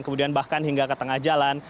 kemudian bahkan hingga ke tengah jalan